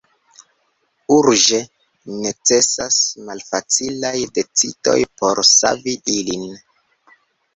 Urĝe necesas malfacilaj decidoj por savi ilin.